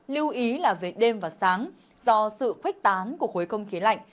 lưu ý là về đêm và sáng do sự khuếch tán của khối không khí lạnh